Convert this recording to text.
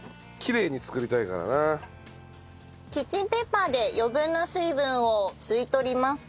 キッチンペーパーで余分な水分を吸い取ります。